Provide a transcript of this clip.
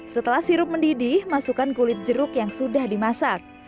setelah sirup mendidih masukkan kulit jeruk yang sudah dimasak